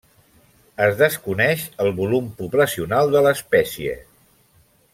Es desconeix el volum poblacional de l'espècie.